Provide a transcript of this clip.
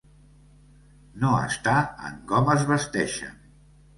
No està en com es vesteixen.